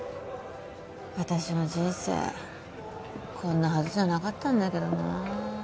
私の人生こんなはずじゃなかったんだけどな